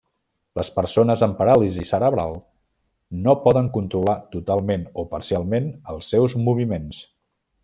Les persones amb paràlisi cerebral no poden controlar totalment o parcialment els seus moviments.